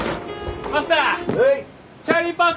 マスター！